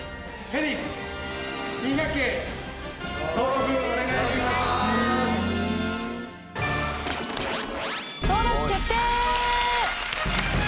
登録決定！